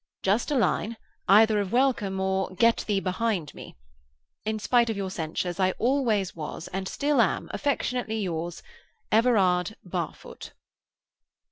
Just a line, either of welcome or "get thee behind me!" In spite of your censures, I always was, and still am, affectionately yours, EVERARD BARFOOT."